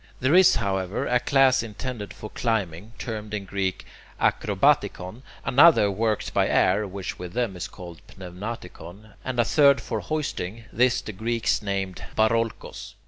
There is, however, a class intended for climbing, termed in Greek [Greek: akrobatikon], another worked by air, which with them is called [Greek: pneumatikon], and a third for hoisting; this the Greeks named [Greek: baroulkos].